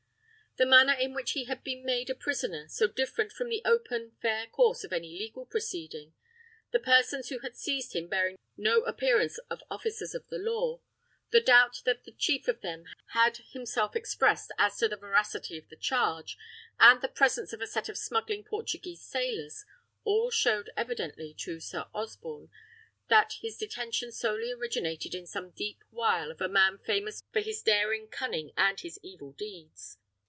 The manner in which he had been made a prisoner, so different from the open, fair course of any legal proceeding, the persons who had seized him bearing no appearance of officers of the law, the doubt that the chief of them had himself expressed as to the veracity of the charge, and the presence of a set of smuggling Portuguese sailors, all showed evidently to Sir Osborne that his detention solely originated in some deep wile of a man famous for his daring cunning and his evil deeds.